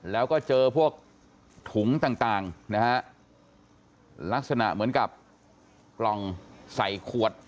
แล้วก็เจอพวกถุงต่างนะฮะลักษณะเหมือนกับกล่องใส่ขวด